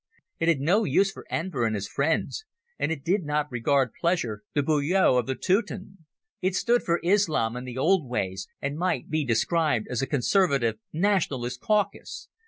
It had no use for Enver and his friends, and it did not regard with pleasure the beaux yeux of the Teuton. It stood for Islam and the old ways, and might be described as a Conservative Nationalist caucus.